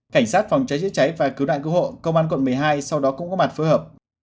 cảnh sát phòng cháy chữa cháy và cứu nạn cứu hộ công an quận một mươi hai sau đó cũng có mặt phối hợp